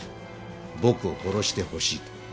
「僕を殺してほしい」と。